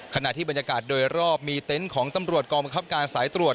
ขณะที่บรรยากาศโดยรอบมีเต็นต์ของตำรวจกองบังคับการสายตรวจ